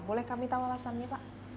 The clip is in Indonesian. boleh kami tahu alasannya pak